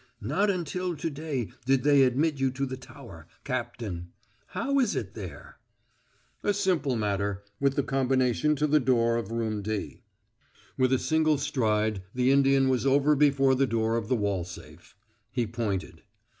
"Not until to day did they admit you to the tower, Cap tain. How is it there?" "A simple matter with the combination to the door of Room D." With a single stride the Indian was over before the door of the wall safe. He pointed.